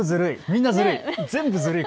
みんなずるい。